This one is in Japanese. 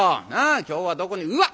今日はどこにうわっ！